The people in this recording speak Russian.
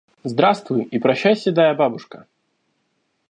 Здравствуй и прощай, седая бабушка!